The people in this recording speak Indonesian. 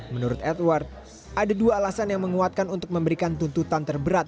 menurut edward ada dua alasan yang menguatkan untuk memberikan tuntutan terberat